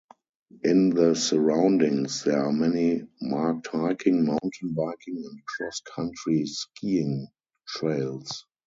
In the surroundings there are many marked hiking, mountain biking and cross-country skiing trails.